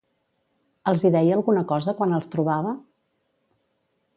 Els hi deia alguna cosa quan els trobava?